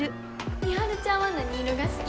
美晴ちゃんは何色が好き？